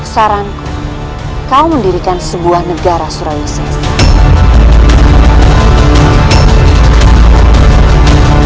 saranku kau mendirikan sebuah negara suraya sese